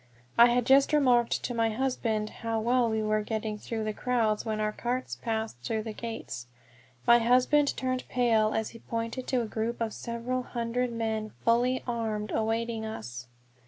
I had just remarked to my husband on how well we were getting through the crowds, when our carts passed through the gates. My husband turned pale as he pointed to a group of several hundred men, fully armed, awaiting us.